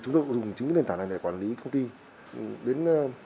chúng tôi dùng chính nền tảng này để quản lý công ty đến tám mươi